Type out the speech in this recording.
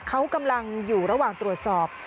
เขากำลังอยู่ระหว่างตรวจสอบ